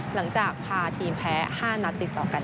หลังจากพาทีมแพ้๕นัดติดต่อกัน